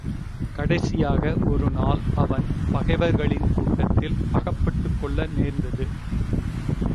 கடைசியாக ஒருநாள் அவன் பகைவர்களின் கூட்டத்தில் அகப்பட்டுக் கொள்ள நேர்ந்தது.